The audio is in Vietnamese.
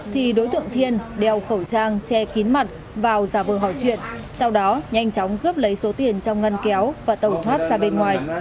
thì đối tượng thiên đeo khẩu trang che kín mặt vào giả vờ hỏi chuyện sau đó nhanh chóng cướp lấy số tiền trong ngân kéo và tẩu thoát ra bên ngoài